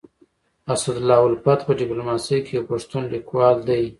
اسدالله الفت په ډيپلوماسي کي يو پښتون ليکوال دی.